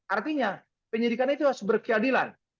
artinya penyidikan itu harus berkeadilan